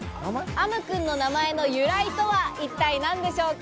アムくんの名前の由来とは一体何でしょうか？